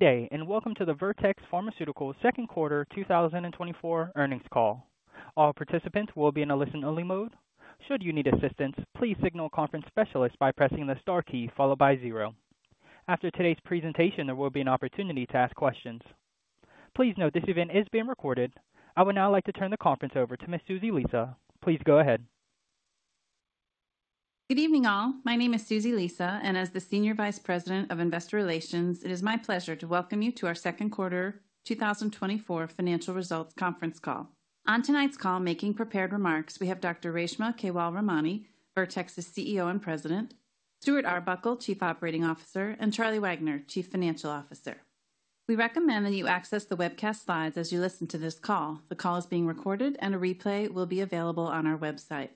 Good day, and welcome to the Vertex Pharmaceuticals Second Quarter 2024 earnings call. All participants will be in a listen-only mode. Should you need assistance, please signal a conference specialist by pressing the star key followed by zero. After today's presentation, there will be an opportunity to ask questions. Please note this event is being recorded. I would now like to turn the conference over to Ms. Susie Lisa. Please go ahead. Good evening, all. My name is Susie Lisa, and as the Senior Vice President of Investor Relations, it is my pleasure to welcome you to our second quarter 2024 financial results conference call. On tonight's call, making prepared remarks, we have Dr. Reshma Kewalramani, Vertex's CEO and President, Stuart Arbuckle, Chief Operating Officer, and Charlie Wagner, Chief Financial Officer. We recommend that you access the webcast slides as you listen to this call. The call is being recorded, and a replay will be available on our website.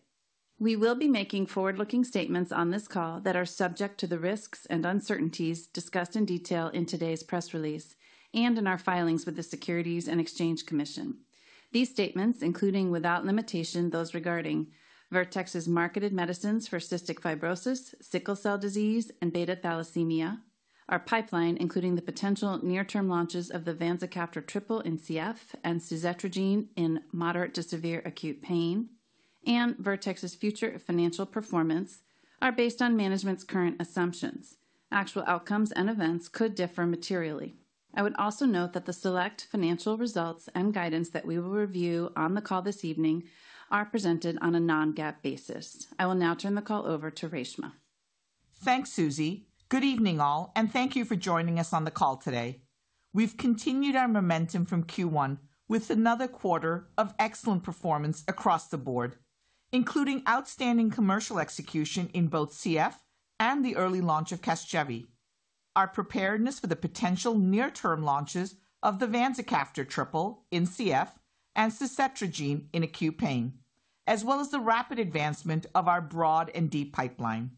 We will be making forward-looking statements on this call that are subject to the risks and uncertainties discussed in detail in today's press release and in our filings with the Securities and Exchange Commission. These statements, including without limitation those regarding Vertex's marketed medicines for cystic fibrosis, sickle cell disease, and beta thalassemia, our pipeline, including the potential near-term launches of the vanzacaftor triple in CF and suzetrigine in moderate to severe acute pain, and Vertex's future financial performance, are based on management's current assumptions. Actual outcomes and events could differ materially. I would also note that the select financial results and guidance that we will review on the call this evening are presented on a non-GAAP basis. I will now turn the call over to Reshma. Thanks, Susie. Good evening, all, and thank you for joining us on the call today. We've continued our momentum from Q1 with another quarter of excellent performance across the board, including outstanding commercial execution in both CF and the early launch of Casgevy. Our preparedness for the potential near-term launches of the vanzacaftor triple in CF and suzetrigine in acute pain, as well as the rapid advancement of our broad and deep pipeline.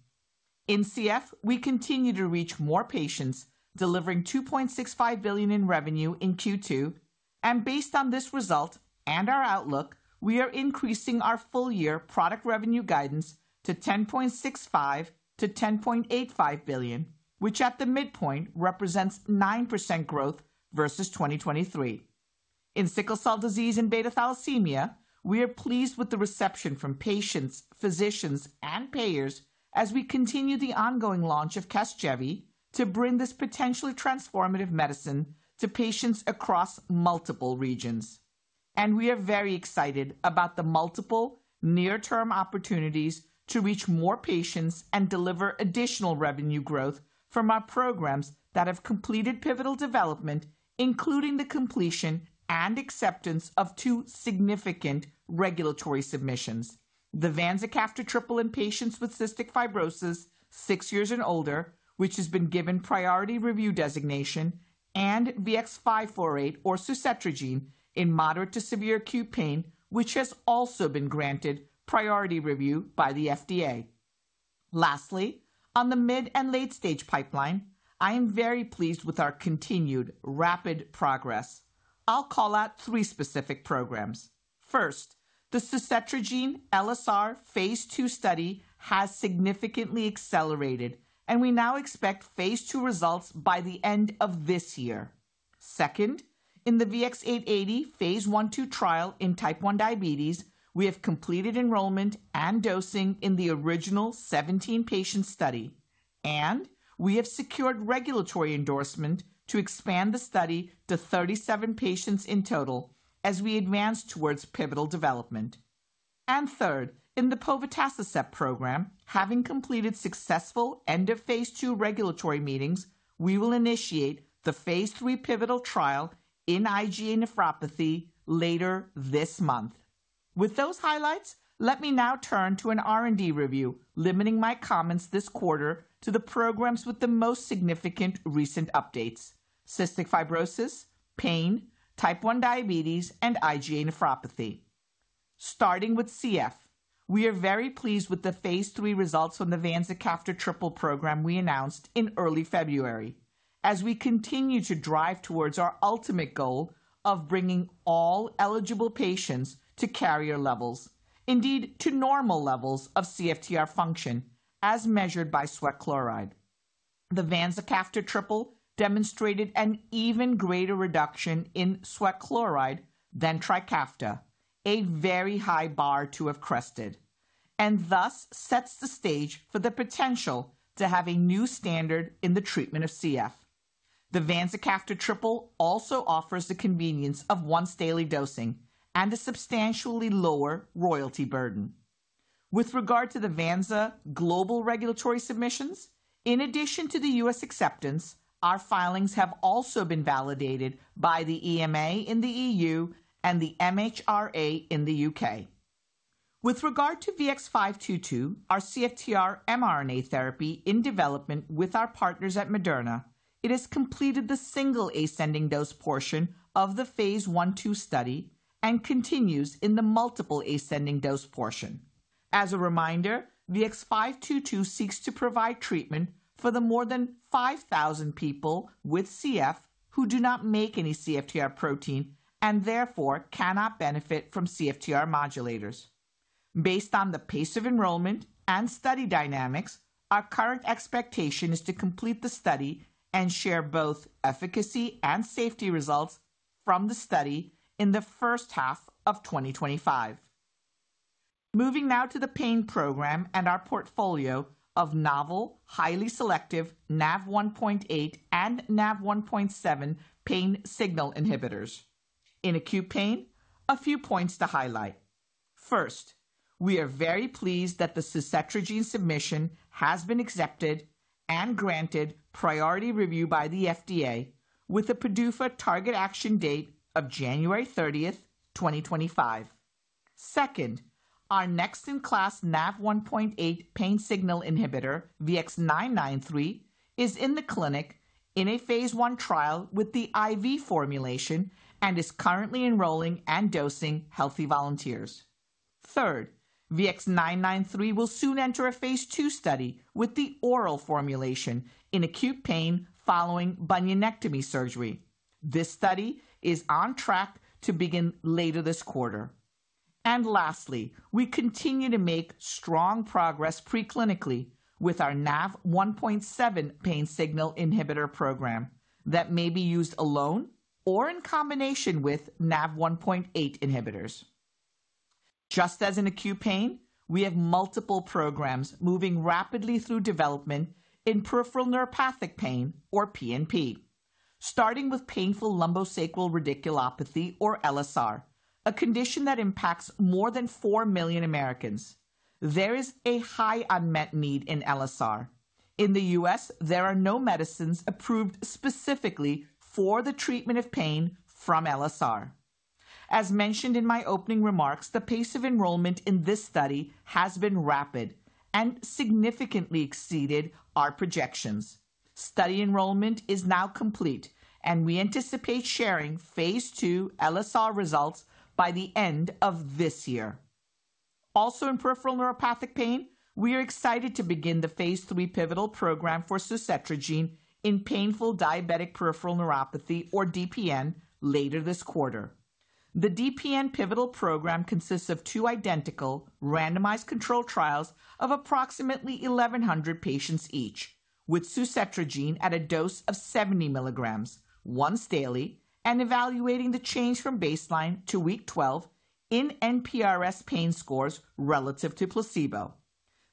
In CF, we continue to reach more patients, delivering $2.65 billion in revenue in Q2, and based on this result and our outlook, we are increasing our full year product revenue guidance to $10.65-$10.85 billion, which at the midpoint represents 9% growth versus 2023. In sickle cell disease and Beta Thalassemia, we are pleased with the reception from patients, physicians, and payers as we continue the ongoing launch of Casgevy to bring this potentially transformative medicine to patients across multiple regions. We are very excited about the multiple near-term opportunities to reach more patients and deliver additional revenue growth from our programs that have completed pivotal development, including the completion and acceptance of two significant regulatory submissions. The vanzacaftor triple in patients with Cystic Fibrosis six years and older, which has been given priority review designation, and VX-548, or suzetrigine, in moderate to severe Acute Pain, which has also been granted priority review by the FDA. Lastly, on the mid and late-stage pipeline, I am very pleased with our continued rapid progress. I'll call out three specific programs. First, the suzetrigine LSR phase II study has significantly accelerated, and we now expect phase II results by the end of this year. Second, in the VX-880 phase I/II trial in type 1 diabetes, we have completed enrollment and dosing in the original 17-patient study, and we have secured regulatory endorsement to expand the study to 37 patients in total as we advance towards pivotal development. And third, in the povetacicept program, having completed successful end-of-phase II regulatory meetings, we will initiate the phase III pivotal trial in IgA nephropathy later this month. With those highlights, let me now turn to an R&D review, limiting my comments this quarter to the programs with the most significant recent updates: cystic fibrosis, pain, type 1 diabetes, and IgA nephropathy. Starting with CF, we are very pleased with the phase III results from the vanzacaftor triple program we announced in early February. As we continue to drive towards our ultimate goal of bringing all eligible patients to carrier levels, indeed to normal levels of CFTR function as measured by sweat chloride. The vanzacaftor triple demonstrated an even greater reduction in sweat chloride than Trikafta, a very high bar to have crested, and thus sets the stage for the potential to have a new standard in the treatment of CF. The vanzacaftor triple also offers the convenience of once-daily dosing and a substantially lower royalty burden. With regard to the vanza global regulatory submissions, in addition to the U.S. acceptance, our filings have also been validated by the EMA in the E.U. and the MHRA in the U.K. With regard to VX-522, our CFTR mRNA therapy in development with our partners at Moderna, it has completed the single ascending dose portion of the phase I/II study and continues in the multiple ascending dose portion. As a reminder, VX-522 seeks to provide treatment for the more than 5,000 people with CF who do not make any CFTR protein and therefore cannot benefit from CFTR modulators. Based on the pace of enrollment and study dynamics, our current expectation is to complete the study and share both efficacy and safety results from the study in the first half of 2025. Moving now to the pain program and our portfolio of novel, highly selective NaV1.8 and NaV1.7 pain signal inhibitors. In acute pain, a few points to highlight. First, we are very pleased that the suzetrigine submission has been accepted and granted priority review by the FDA with a PDUFA target action date of January 30, 2025. Second, our next in-class NaV1.8 pain signal inhibitor, VX-993, is in the clinic in a phase I trial with the IV formulation and is currently enrolling and dosing healthy volunteers. Third, VX-993 will soon enter a phase II study with the oral formulation in acute pain following bunionectomy surgery. This study is on track to begin later this quarter. Lastly, we continue to make strong progress preclinically with our NaV1.7 pain signal inhibitor program that may be used alone or in combination with NaV1.8 inhibitors. Just as in acute pain, we have multiple programs moving rapidly through development in peripheral neuropathic pain, or PNP. Starting with painful lumbosacral radiculopathy, or LSR, a condition that impacts more than four million Americans. There is a high unmet need in LSR. In the U.S., there are no medicines approved specifically for the treatment of pain from LSR. As mentioned in my opening remarks, the pace of enrollment in this study has been rapid and significantly exceeded our projections. Study enrollment is now complete, and we anticipate sharing phase II LSR results by the end of this year. Also, in peripheral neuropathic pain, we are excited to begin the phase III pivotal program for suzetrigine in painful diabetic peripheral neuropathy, or DPN, later this quarter. The DPN pivotal program consists of two identical randomized controlled trials of approximately 1,100 patients each, with suzetrigine at a dose of 70 milligrams once daily and evaluating the change from baseline to week 12 in NPRS pain scores relative to placebo.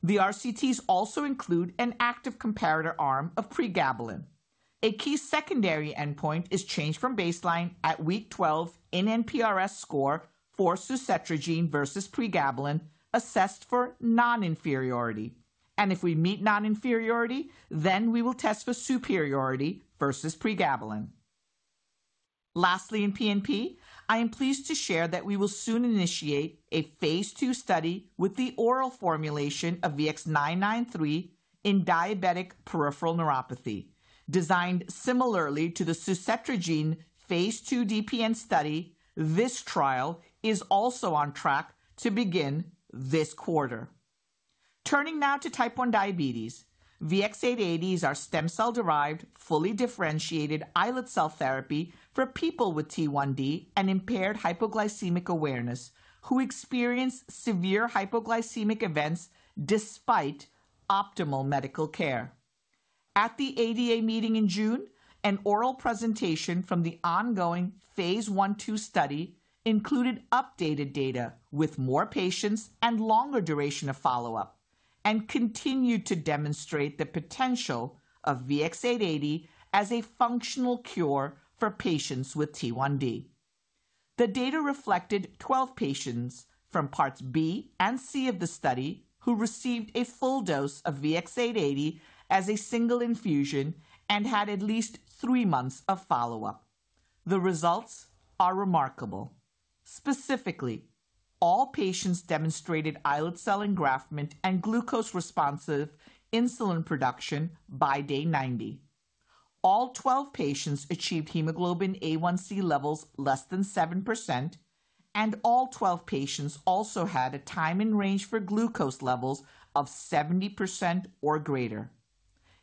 The RCTs also include an active comparator arm of pregabalin. A key secondary endpoint is change from baseline at week 12 in NPRS score for suzetrigine versus pregabalin, assessed for non-inferiority. If we meet non-inferiority, then we will test for superiority versus pregabalin. Lastly, in PNP, I am pleased to share that we will soon initiate a phase II study with the oral formulation of VX-993 in diabetic peripheral neuropathy. Designed similarly to the suzetrigine phase II DPN study, this trial is also on track to begin this quarter. Turning now to type 1 diabetes, VX-880 is our stem cell-derived, fully differentiated islet cell therapy for people with T1D and impaired hypoglycemic awareness, who experience severe hypoglycemic events despite optimal medical care. At the ADA meeting in June, an oral presentation from the ongoing phase I/II study included updated data with more patients and longer duration of follow-up and continued to demonstrate the potential of VX-880 as a functional cure for patients with T1D. The data reflected 12 patients from parts B and C of the study, who received a full dose of VX-880 as a single infusion and had at least 3 months of follow-up. The results are remarkable. Specifically, all patients demonstrated islet cell engraftment and glucose-responsive insulin production by day 90. All 12 patients achieved hemoglobin A1C levels less than 7%, and all 12 patients also had a time in range for glucose levels of 70% or greater.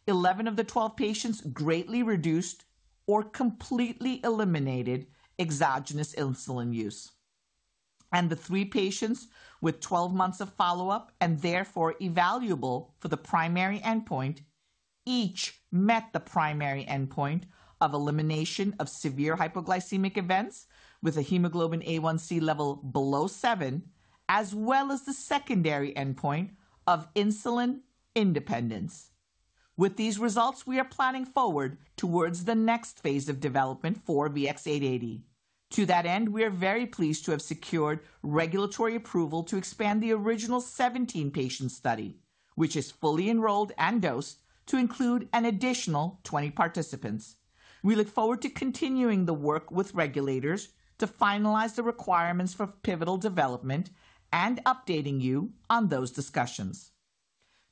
11 of the 12 patients greatly reduced or completely eliminated exogenous insulin use, and the 3 patients with 12 months of follow-up, and therefore evaluable for the primary endpoint, each met the primary endpoint of elimination of severe hypoglycemic events with a hemoglobin A1C level below 7, as well as the secondary endpoint of insulin independence. With these results, we are planning forward towards the next phase of development for VX-880. To that end, we are very pleased to have secured regulatory approval to expand the original 17-patient study, which is fully enrolled and dosed to include an additional 20 participants. We look forward to continuing the work with regulators to finalize the requirements for pivotal development and updating you on those discussions.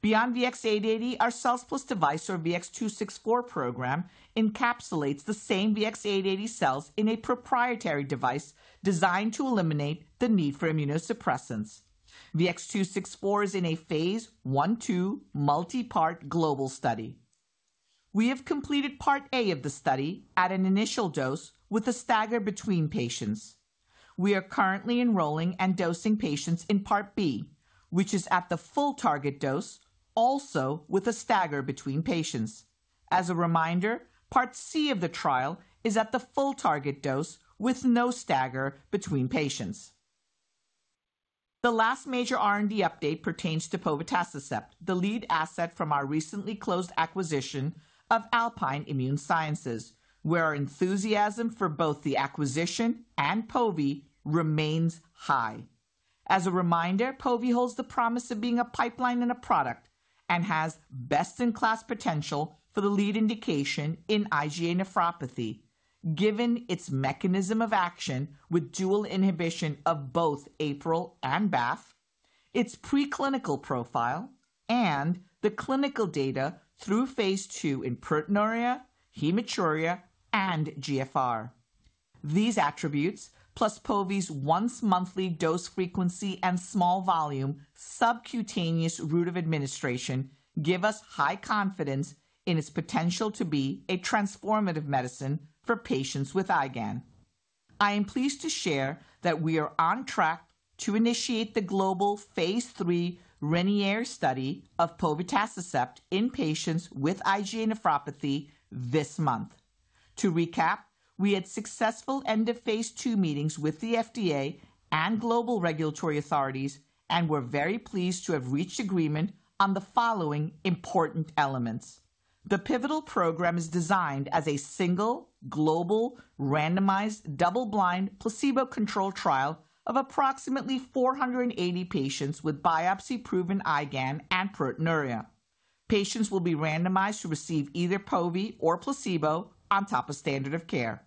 Beyond VX-880, our cells plus device or VX-264 program encapsulates the same VX-880 cells in a proprietary device designed to eliminate the need for immunosuppressants. VX-264 is in a phase I/II multi-part global study.... We have completed Part A of the study at an initial dose with a stagger between patients. We are currently enrolling and dosing patients in Part B, which is at the full target dose, also with a stagger between patients. As a reminder, Part C of the trial is at the full target dose with no stagger between patients. The last major R&D update pertains to Povotacicept, the lead asset from our recently closed acquisition of Alpine Immune Sciences, where our enthusiasm for both the acquisition and Povi remains high. As a reminder, Povi holds the promise of being a pipeline and a product, and has best-in-class potential for the lead indication in IgA Nephropathy. Given its mechanism of action with dual inhibition of both APRIL and BAFF, its preclinical profile, and the clinical data through phase II in proteinuria, hematuria, and GFR. These attributes, plus povotacicept's once-monthly dose frequency and small volume subcutaneous route of administration, give us high confidence in its potential to be a transformative medicine for patients with IgAN. I am pleased to share that we are on track to initiate the global phase III RAINIER study of povotacicept in patients with IgA nephropathy this month. To recap, we had successful end-of-phase II meetings with the FDA and global regulatory authorities, and we're very pleased to have reached agreement on the following important elements. The pivotal program is designed as a single, global, randomized, double-blind, placebo-controlled trial of approximately 480 patients with biopsy-proven IgAN and proteinuria. Patients will be randomized to receive either Povi or placebo on top of standard of care.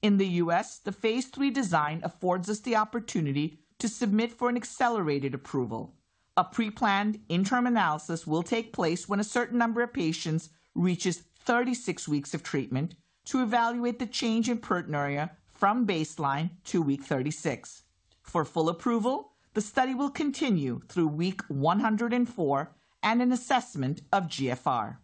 In the U.S., the phase III design affords us the opportunity to submit for an accelerated approval. A pre-planned interim analysis will take place when a certain number of patients reaches 36 weeks of treatment to evaluate the change in proteinuria from baseline to week 36. For full approval, the study will continue through week 104 and an assessment of GFR.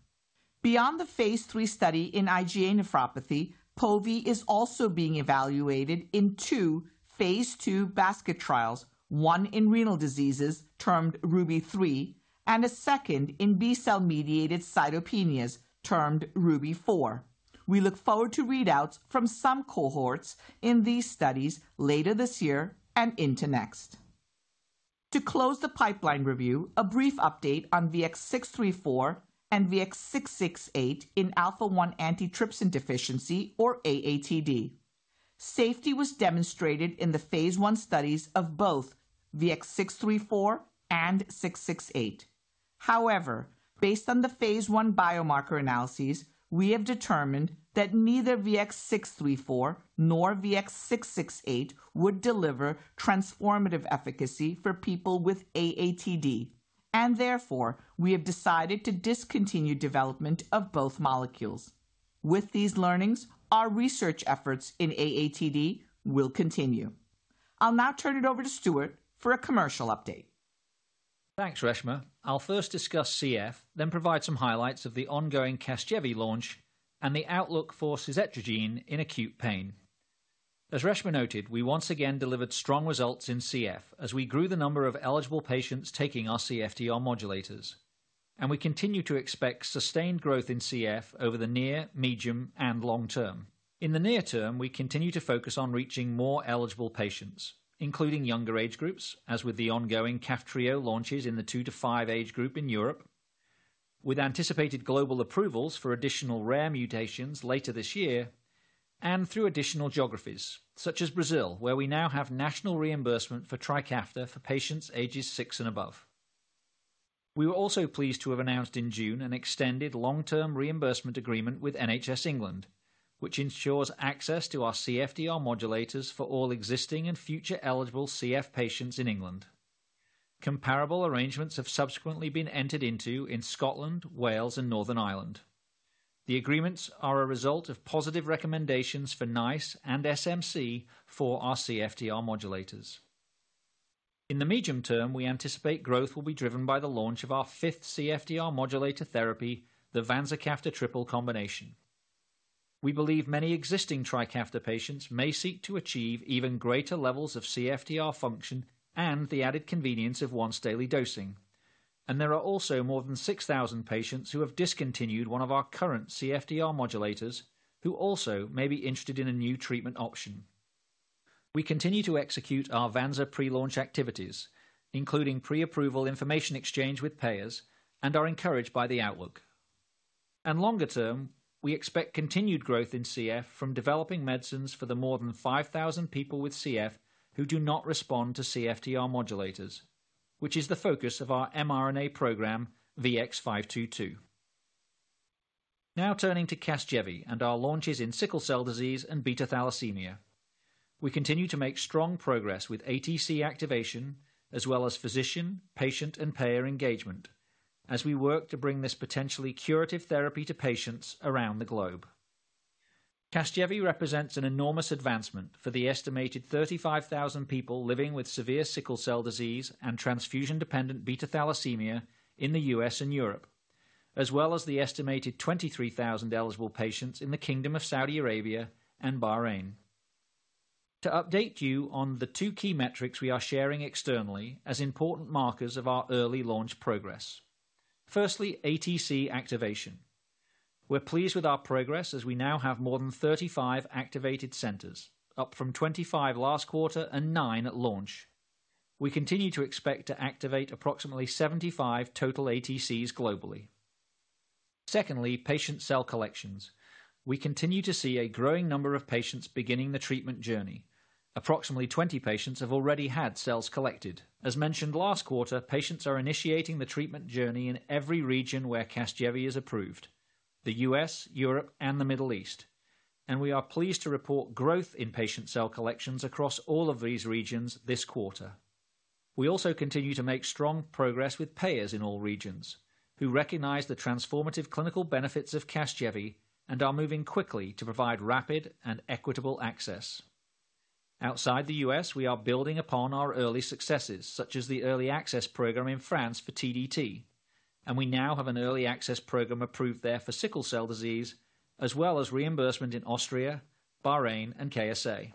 Beyond the phase III study in IgA nephropathy, Povi is also being evaluated in two phase II basket trials, one in renal diseases termed RUBY-3, and a second in B-cell-mediated cytopenias, termed RUBY-4. We look forward to readouts from some cohorts in these studies later this year and into next. To close the pipeline review, a brief update on VX-634 and VX-668 in alpha-1 antitrypsin deficiency or AATD. Safety was demonstrated in the phase I studies of both VX-634 and VX-668. However, based on the phase I biomarker analyses, we have determined that neither VX-634 nor VX-668 would deliver transformative efficacy for people with AATD, and therefore, we have decided to discontinue development of both molecules. With these learnings, our research efforts in AATD will continue. I'll now turn it over to Stuart for a commercial update. Thanks, Reshma. I'll first discuss CF, then provide some highlights of the ongoing Casgevy launch and the outlook for suzetrigine in acute pain. As Reshma noted, we once again delivered strong results in CF as we grew the number of eligible patients taking our CFTR modulators, and we continue to expect sustained growth in CF over the near, medium, and long term. In the near term, we continue to focus on reaching more eligible patients, including younger age groups, as with the ongoing Kaftrio launches in the 2-5 age group in Europe, with anticipated global approvals for additional rare mutations later this year, and through additional geographies, such as Brazil, where we now have national reimbursement for Trikafta for patients ages 6 and above. We were also pleased to have announced in June an extended long-term reimbursement agreement with NHS England, which ensures access to our CFTR modulators for all existing and future eligible CF patients in England. Comparable arrangements have subsequently been entered into in Scotland, Wales, and Northern Ireland. The agreements are a result of positive recommendations for NICE and SMC for our CFTR modulators. In the medium term, we anticipate growth will be driven by the launch of our fifth CFTR modulator therapy, the vanzacaftor triple combination. We believe many existing Trikafta patients may seek to achieve even greater levels of CFTR function and the added convenience of once-daily dosing. There are also more than 6,000 patients who have discontinued one of our current CFTR modulators, who also may be interested in a new treatment option. We continue to execute our Vanza pre-launch activities, including pre-approval information exchange with payers, and are encouraged by the outlook. And longer term, we expect continued growth in CF from developing medicines for the more than 5,000 people with CF who do not respond to CFTR modulators, which is the focus of our mRNA program, VX-522. Now turning to Casgevy and our launches in sickle cell disease and beta thalassemia. We continue to make strong progress with ATC activation, as well as physician, patient, and payer engagement as we work to bring this potentially curative therapy to patients around the globe. Casgevy represents an enormous advancement for the estimated 35,000 people living with severe sickle cell disease and transfusion-dependent beta thalassemia in the U.S. and Europe, as well as the estimated 23,000 eligible patients in the Kingdom of Saudi Arabia and Bahrain. To update you on the two key metrics we are sharing externally as important markers of our early launch progress. Firstly, ATC activation. We're pleased with our progress as we now have more than 35 activated centers, up from 25 last quarter and 9 at launch. We continue to expect to activate approximately 75 total ATCs globally. Secondly, patient cell collections. We continue to see a growing number of patients beginning the treatment journey. Approximately 20 patients have already had cells collected. As mentioned last quarter, patients are initiating the treatment journey in every region where Casgevy is approved: the U.S., Europe, and the Middle East, and we are pleased to report growth in patient cell collections across all of these regions this quarter. We also continue to make strong progress with payers in all regions, who recognize the transformative clinical benefits of Casgevy and are moving quickly to provide rapid and equitable access. Outside the U.S., we are building upon our early successes, such as the early access program in France for TDT, and we now have an early access program approved there for sickle cell disease, as well as reimbursement in Austria, Bahrain, and KSA.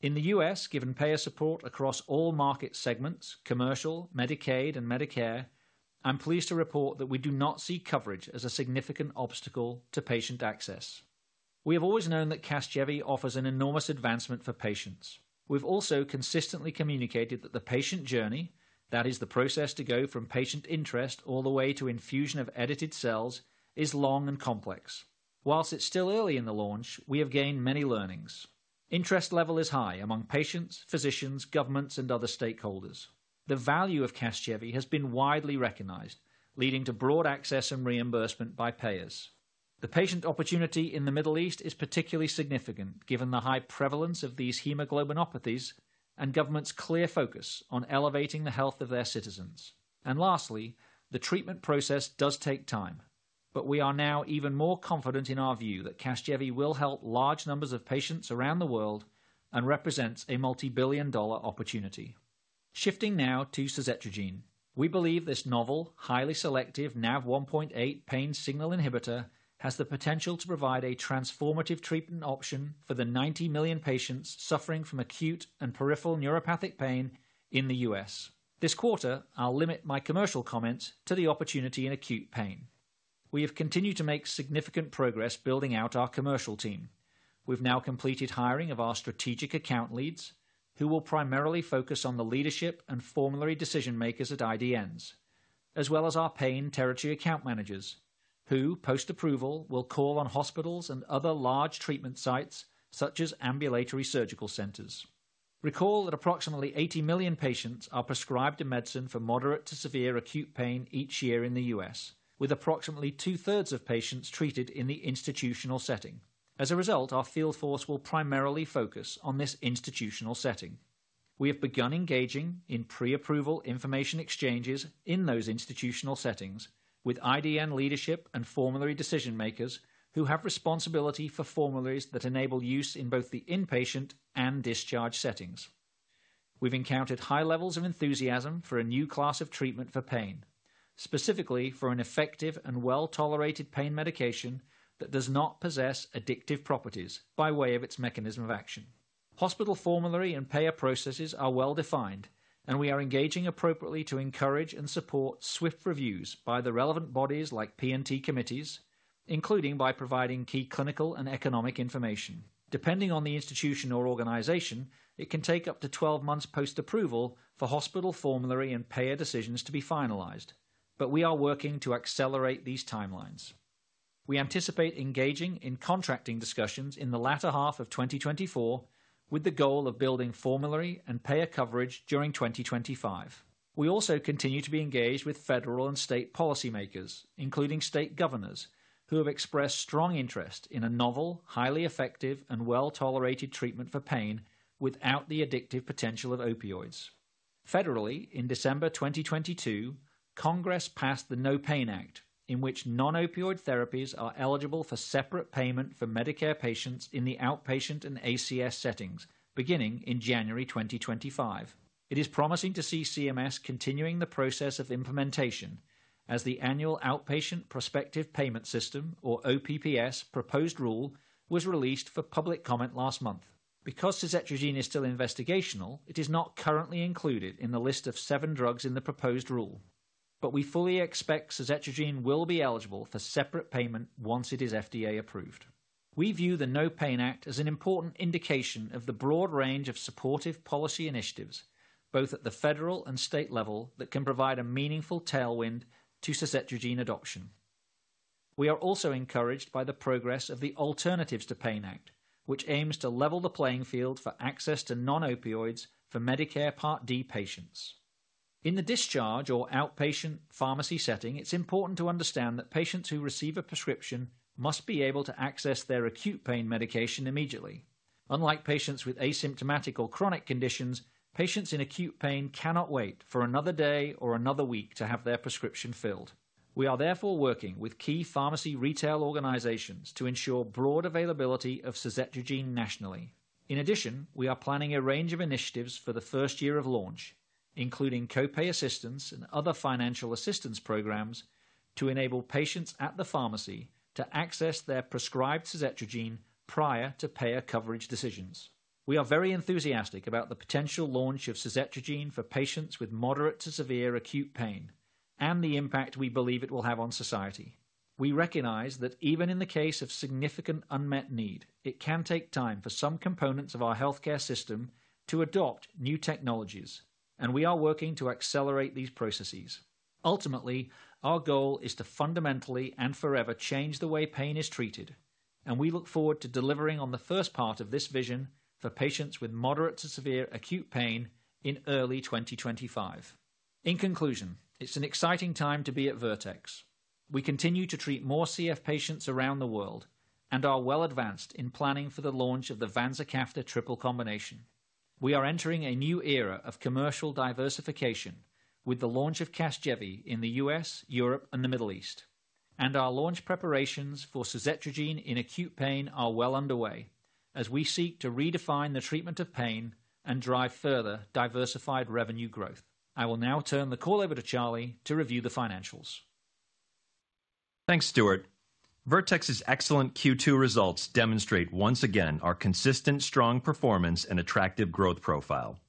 In the U.S., given payer support across all market segments, commercial, Medicaid, and Medicare, I'm pleased to report that we do not see coverage as a significant obstacle to patient access. We have always known that Casgevy offers an enormous advancement for patients. We've also consistently communicated that the patient journey, that is the process to go from patient interest all the way to infusion of edited cells, is long and complex. While it's still early in the launch, we have gained many learnings. Interest level is high among patients, physicians, governments, and other stakeholders. The value of Casgevy has been widely recognized, leading to broad access and reimbursement by payers. The patient opportunity in the Middle East is particularly significant, given the high prevalence of these hemoglobinopathies and government's clear focus on elevating the health of their citizens. And lastly, the treatment process does take time, but we are now even more confident in our view that Casgevy will help large numbers of patients around the world and represents a multi-billion-dollar opportunity. Shifting now to suzetrigine. We believe this novel, highly selective NaV1.8 pain signal inhibitor has the potential to provide a transformative treatment option for the 90 million patients suffering from acute and peripheral neuropathic pain in the U.S. This quarter, I'll limit my commercial comments to the opportunity in acute pain. We have continued to make significant progress building out our commercial team. We've now completed hiring of our strategic account leads, who will primarily focus on the leadership and formulary decision makers at IDNs, as well as our pain territory account managers, who, post-approval, will call on hospitals and other large treatment sites such as ambulatory surgical centers. Recall that approximately 80 million patients are prescribed a medicine for moderate to severe acute pain each year in the US, with approximately two-thirds of patients treated in the institutional setting. As a result, our field force will primarily focus on this institutional setting. We have begun engaging in pre-approval information exchanges in those institutional settings with IDN leadership and formulary decision makers who have responsibility for formularies that enable use in both the inpatient and discharge settings. We've encountered high levels of enthusiasm for a new class of treatment for pain, specifically for an effective and well-tolerated pain medication that does not possess addictive properties by way of its mechanism of action. Hospital formulary and payer processes are well defined, and we are engaging appropriately to encourage and support swift reviews by the relevant bodies like P&T committees, including by providing key clinical and economic information. Depending on the institution or organization, it can take up to 12 months post-approval for hospital formulary and payer decisions to be finalized, but we are working to accelerate these timelines. We anticipate engaging in contracting discussions in the latter half of 2024, with the goal of building formulary and payer coverage during 2025. We also continue to be engaged with federal and state policymakers, including state governors, who have expressed strong interest in a novel, highly effective, and well-tolerated treatment for pain without the addictive potential of opioids. Federally, in December 2022, Congress passed the NOPAIN Act, in which non-opioid therapies are eligible for separate payment for Medicare patients in the outpatient and ASC settings, beginning in January 2025. It is promising to see CMS continuing the process of implementation as the annual Outpatient Prospective Payment System, or OPPS, proposed rule was released for public comment last month. Because suzetrigine is still investigational, it is not currently included in the list of seven drugs in the proposed rule, but we fully expect suzetrigine will be eligible for separate payment once it is FDA approved. We view the NOPAIN Act as an important indication of the broad range of supportive policy initiatives, both at the federal and state level, that can provide a meaningful tailwind to suzetrigine adoption. We are also encouraged by the progress of the Alternatives to PAIN Act, which aims to level the playing field for access to non-opioids for Medicare Part D patients. In the discharge or outpatient pharmacy setting, it's important to understand that patients who receive a prescription must be able to access their acute pain medication immediately... Unlike patients with asymptomatic or chronic conditions, patients in acute pain cannot wait for another day or another week to have their prescription filled. We are therefore working with key pharmacy retail organizations to ensure broad availability of suzetrigine nationally. In addition, we are planning a range of initiatives for the first year of launch, including co-pay assistance and other financial assistance programs, to enable patients at the pharmacy to access their prescribed suzetrigine prior to payer coverage decisions. We are very enthusiastic about the potential launch of suzetrigine for patients with moderate to severe acute pain and the impact we believe it will have on society. We recognize that even in the case of significant unmet need, it can take time for some components of our healthcare system to adopt new technologies, and we are working to accelerate these processes. Ultimately, our goal is to fundamentally and forever change the way pain is treated, and we look forward to delivering on the first part of this vision for patients with moderate to severe acute pain in early 2025. In conclusion, it's an exciting time to be at Vertex. We continue to treat more CF patients around the world and are well advanced in planning for the launch of the vanzacaftor triple combination. We are entering a new era of commercial diversification with the launch of Casgevy in the U.S., Europe, and the Middle East. Our launch preparations for suzetrigine in acute pain are well underway as we seek to redefine the treatment of pain and drive further diversified revenue growth. I will now turn the call over to Charlie to review the financials. Thanks, Stuart. Vertex's excellent Q2 results demonstrate once again our consistent, strong performance and attractive growth profile.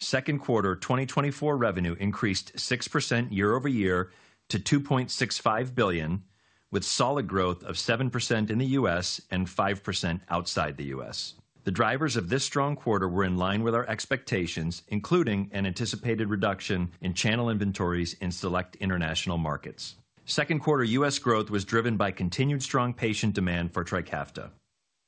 Second quarter 2024 revenue increased 6% year-over-year to $2.65 billion, with solid growth of 7% in the U.S. and 5% outside the U.S. The drivers of this strong quarter were in line with our expectations, including an anticipated reduction in channel inventories in select international markets. Second quarter U.S. growth was driven by continued strong patient demand for Trikafta.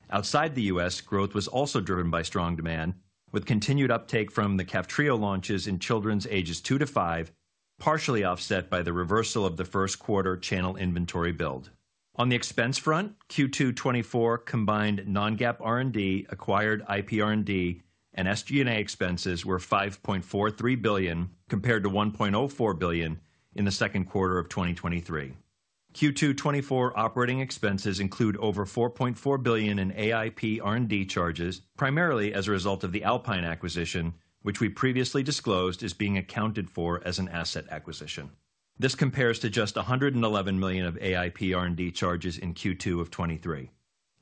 Outside the U.S., growth was also driven by strong demand, with continued uptake from the Kaftrio launches in children's ages 2 to 5, partially offset by the reversal of the first quarter channel inventory build. On the expense front, Q2 2024 combined non-GAAP R&D, acquired IP R&D, and SG&A expenses were $5.43 billion, compared to $1.4 billion in the second quarter of 2023. Q2 2024 operating expenses include over $4.4 billion in acquired IPR&D charges, primarily as a result of the Alpine acquisition, which we previously disclosed is being accounted for as an asset acquisition. This compares to just $111 million of acquired IPR&D charges in Q2 of 2023.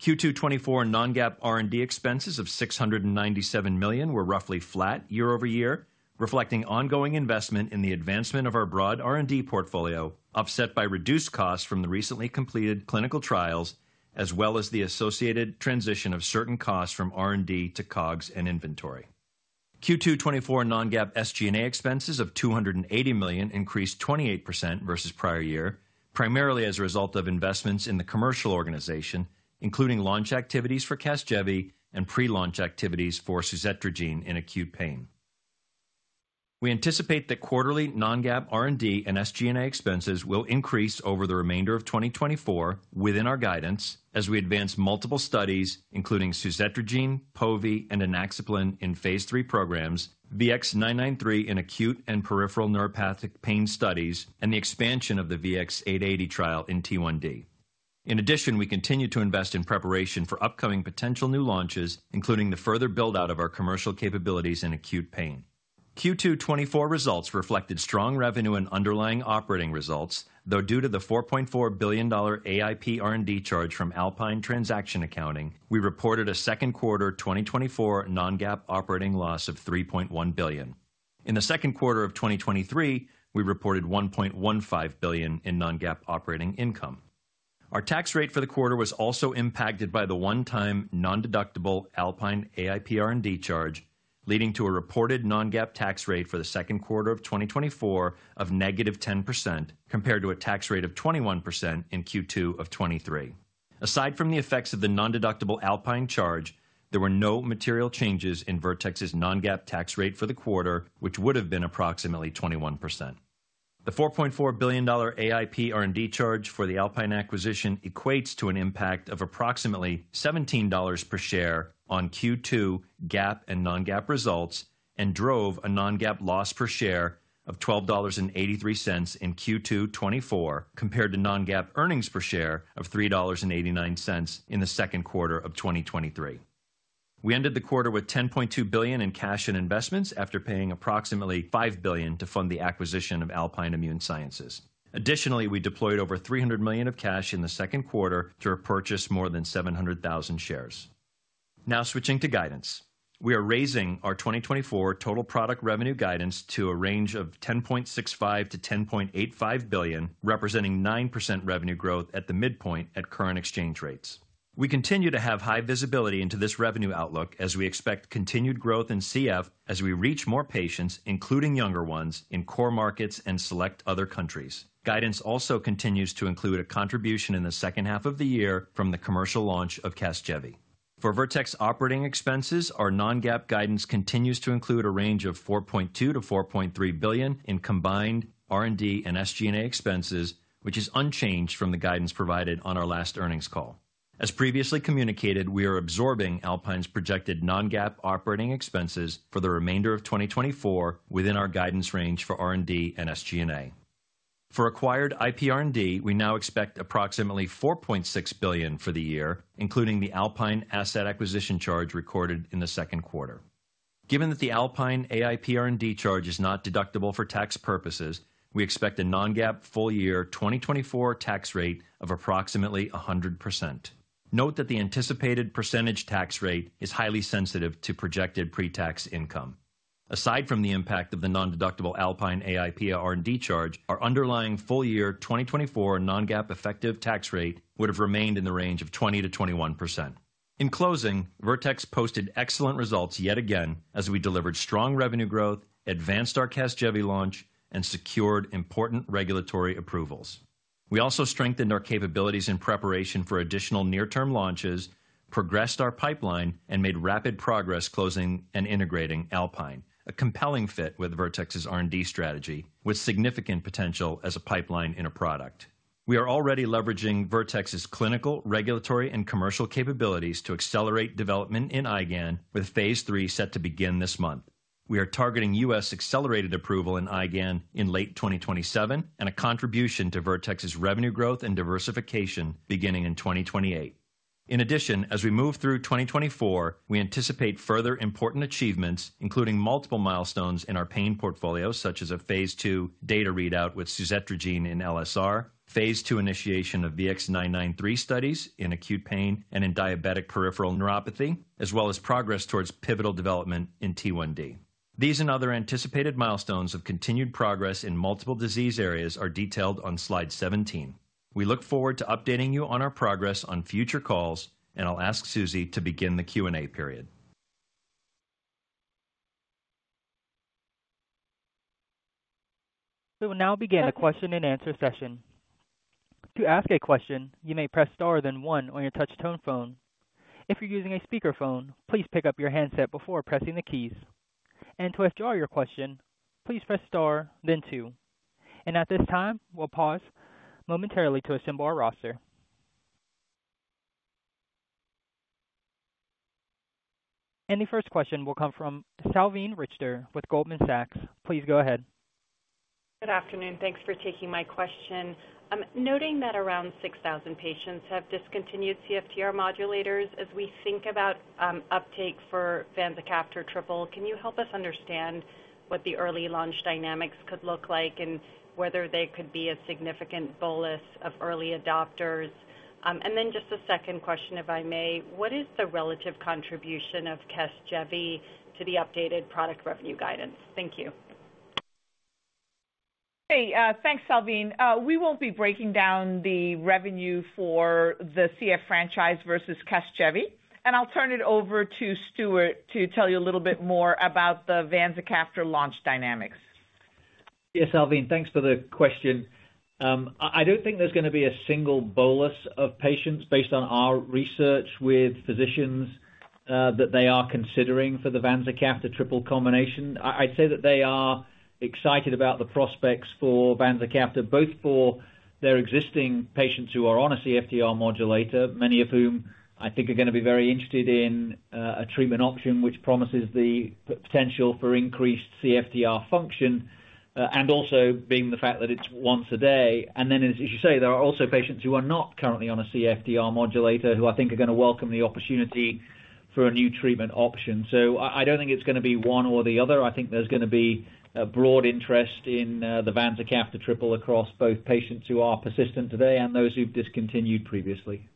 Q2 2024 non-GAAP R&D expenses of $697 million were roughly flat year-over-year, reflecting ongoing investment in the advancement of our broad R&D portfolio, offset by reduced costs from the recently completed clinical trials, as well as the associated transition of certain costs from R&D to COGS and inventory. Q2 2024 non-GAAP SG&A expenses of $280 million increased 28% versus prior year, primarily as a result of investments in the commercial organization, including launch activities for Casgevy and pre-launch activities for suzetrigine in acute pain. We anticipate that quarterly non-GAAP, R&D and SG&A expenses will increase over the remainder of 2024 within our guidance as we advance multiple studies including suzetrigine, povotacicept, and inaxaplin in phase III programs, VX-993 in acute and peripheral neuropathic pain studies, and the expansion of the VX-880 trial in T1D. In addition, we continue to invest in preparation for upcoming potential new launches, including the further build-out of our commercial capabilities in acute pain. Q2 2024 results reflected strong revenue and underlying operating results, though, due to the $4.4 billion AIP R&D charge from Alpine transaction accounting, we reported a second quarter 2024 non-GAAP operating loss of $3.1 billion. In the second quarter of 2023, we reported $1.15 billion in non-GAAP operating income. Our tax rate for the quarter was also impacted by the one-time nondeductible Alpine AIP R&D charge, leading to a reported non-GAAP tax rate for the second quarter of 2024 of -10%, compared to a tax rate of 21% in Q2 of 2023. Aside from the effects of the nondeductible Alpine charge, there were no material changes in Vertex's non-GAAP tax rate for the quarter, which would have been approximately 21%. The $4.4 billion IPR&D charge for the Alpine acquisition equates to an impact of approximately $17 per share on Q2 GAAP and non-GAAP results, and drove a non-GAAP loss per share of $12.83 in Q2 2024, compared to non-GAAP earnings per share of $3.89 in the second quarter of 2023. We ended the quarter with $10.2 billion in cash and investments after paying approximately $5 billion to fund the acquisition of Alpine Immune Sciences. Additionally, we deployed over $300 million of cash in the second quarter to repurchase more than 700,000 shares. Now switching to guidance. We are raising our 2024 total product revenue guidance to a range of $10.65 billion-$10.85 billion, representing 9% revenue growth at the midpoint at current exchange rates. We continue to have high visibility into this revenue outlook as we expect continued growth in CF as we reach more patients, including younger ones, in core markets and select other countries. Guidance also continues to include a contribution in the second half of the year from the commercial launch of Casgevy. For Vertex operating expenses, our non-GAAP guidance continues to include a range of $4.2 billion-$4.3 billion in combined R&D and SG&A expenses, which is unchanged from the guidance provided on our last earnings call. As previously communicated, we are absorbing Alpine's projected non-GAAP operating expenses for the remainder of 2024 within our guidance range for R&D and SG&A. For acquired IPR&D, we now expect approximately $4.6 billion for the year, including the Alpine asset acquisition charge recorded in the second quarter. Given that the Alpine IPR&D charge is not deductible for tax purposes, we expect a non-GAAP full year 2024 tax rate of approximately 100%. Note that the anticipated percentage tax rate is highly sensitive to projected pre-tax income. Aside from the impact of the nondeductible Alpine AIP R&D charge, our underlying full year 2024 non-GAAP effective tax rate would have remained in the range of 20%-21%. In closing, Vertex posted excellent results yet again, as we delivered strong revenue growth, advanced our Casgevy launch, and secured important regulatory approvals. We also strengthened our capabilities in preparation for additional near-term launches, progressed our pipeline, and made rapid progress closing and integrating Alpine, a compelling fit with Vertex's R&D strategy, with significant potential as a pipeline in a product. We are already leveraging Vertex's clinical, regulatory, and commercial capabilities to accelerate development in IgAN, with phase III set to begin this month. We are targeting U.S. accelerated approval in IgAN in late 2027, and a contribution to Vertex's revenue growth and diversification beginning in 2028. In addition, as we move through 2024, we anticipate further important achievements, including multiple milestones in our pain portfolio, such as a phase II data readout with suzetrigine in LSR, phase II initiation of VX-993 studies in acute pain and in diabetic peripheral neuropathy, as well as progress towards pivotal development in T1D. These and other anticipated milestones of continued progress in multiple disease areas are detailed on slide 17. We look forward to updating you on our progress on future calls, and I'll ask Susie to begin the Q&A period. We will now begin the question-and-answer session. To ask a question, you may press star then one on your touch tone phone. If you're using a speakerphone, please pick up your handset before pressing the keys. To withdraw your question, please press star then two. At this time, we'll pause momentarily to assemble our roster. The first question will come from Salveen Richter with Goldman Sachs. Please go ahead. Good afternoon. Thanks for taking my question. Noting that around 6,000 patients have discontinued CFTR modulators, as we think about uptake for vanzacaftor triple, can you help us understand what the early launch dynamics could look like and whether they could be a significant bolus of early adopters? And then just a second question, if I may: What is the relative contribution of Casgevy to the updated product revenue guidance? Thank you. Hey, thanks, Salveen. We won't be breaking down the revenue for the CF franchise versus Casgevy, and I'll turn it over to Stuart to tell you a little bit more about the vanzacaftor launch dynamics. Yes, Salveen, thanks for the question. I don't think there's going to be a single bolus of patients based on our research with physicians that they are considering for the vanzacaftor triple combination. I'd say that they are excited about the prospects for vanzacaftor, both for their existing patients who are on a CFTR modulator, many of whom I think are going to be very interested in a treatment option which promises the potential for increased CFTR function, and also being the fact that it's once a day. And then, as you say, there are also patients who are not currently on a CFTR modulator, who I think are going to welcome the opportunity for a new treatment option. So I don't think it's going to be one or the other. I think there's going to be a broad interest in the vanzacaftor triple across both patients who are persistent today and those who've discontinued previously.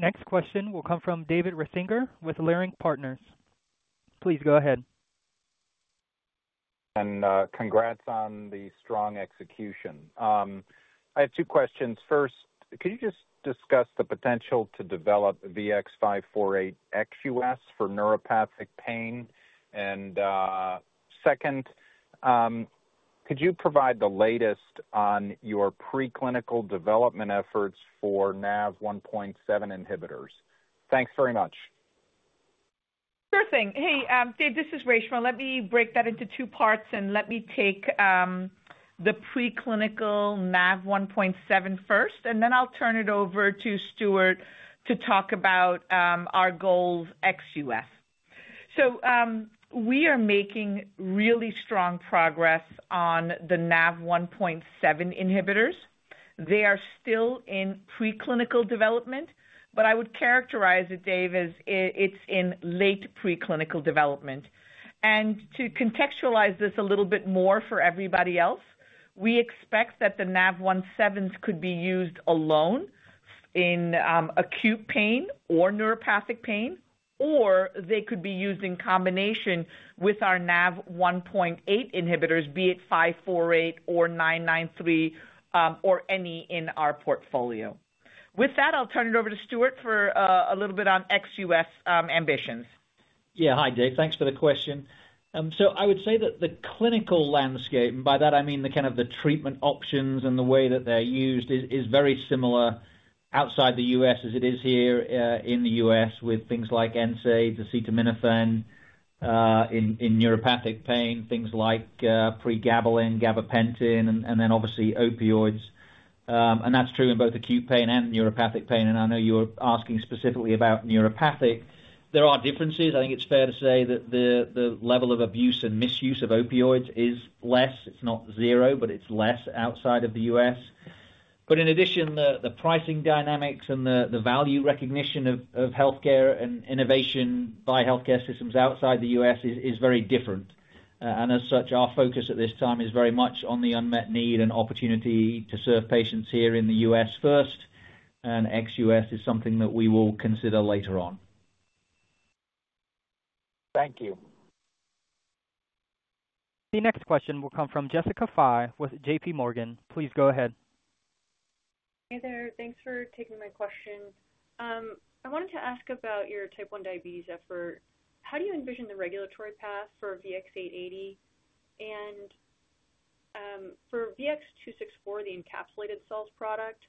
The next question will come from David Risinger with Leerink Partners. Please go ahead. And, congrats on the strong execution. I have two questions. First, could you just discuss the potential to develop VX-548 ex-US for neuropathic pain? And, second, could you provide the latest on your preclinical development efforts for NaV1.7 inhibitors? Thanks very much. Sure thing. Hey, Dave, this is Reshma. Let me break that into two parts, and let me take the preclinical NaV1.7 first, and then I'll turn it over to Stuart to talk about our goals ex-US. So, we are making really strong progress on the NaV1.7 inhibitors. They are still in preclinical development, but I would characterize it, Dave, as it's in late preclinical development. And to contextualize this a little bit more for everybody else, we expect that the NaV1.7 could be used alone in acute pain or neuropathic pain, or they could be used in combination with our NaV1.8 inhibitors, be it 548 or 993 or any in our portfolio. With that, I'll turn it over to Stuart for a little bit on ex-US ambitions. Yeah. Hi, Dave. Thanks for the question. So I would say that the clinical landscape, and by that I mean the kind of treatment options and the way that they're used, is very similar outside the U.S. as it is here in the U.S., with things like NSAID, acetaminophen. In neuropathic pain, things like pregabalin, gabapentin, and then obviously opioids. And that's true in both acute pain and neuropathic pain, and I know you're asking specifically about neuropathic. There are differences. I think it's fair to say that the level of abuse and misuse of opioids is less. It's not zero, but it's less outside of the U.S. But in addition, the pricing dynamics and the value recognition of healthcare and innovation by healthcare systems outside the U.S. is very different. As such, our focus at this time is very much on the unmet need and opportunity to serve patients here in the U.S. first, and ex-U.S. is something that we will consider later on. Thank you. The next question will come from Jessica Fye with JP Morgan. Please go ahead. Hey there. Thanks for taking my question. I wanted to ask about your type 1 diabetes effort. How do you envision the regulatory path for VX-880? And, for VX-264, the encapsulated cells product,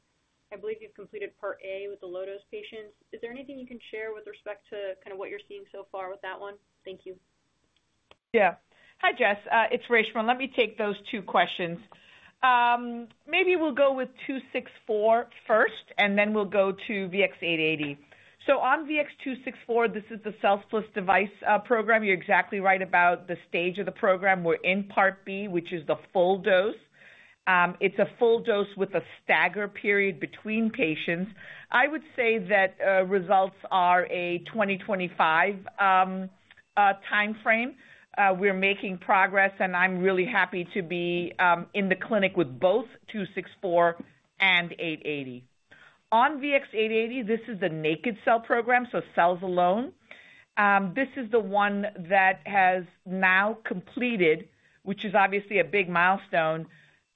I believe you've completed part A with the low-dose patients. Is there anything you can share with respect to kinda what you're seeing so far with that one? Thank you. Yeah. Hi, Jess, it's Reshma, and let me take those two questions. Maybe we'll go with VX-264 first, and then we'll go to VX-880. So on VX-264, this is the cells plus device program. You're exactly right about the stage of the program. We're in part B, which is the full dose. It's a full dose with a stagger period between patients. I would say that results are a 2025 timeframe. We're making progress, and I'm really happy to be in the clinic with both VX-264 and VX-880. On VX-880, this is the naked cell program, so cells alone. This is the one that has now completed, which is obviously a big milestone,